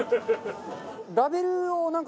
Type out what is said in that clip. ラベルをなんか。